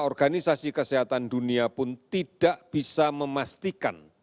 organisasi kesehatan dunia pun tidak bisa memastikan